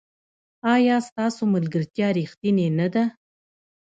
ایا ستاسو ملګرتیا ریښتینې نه ده؟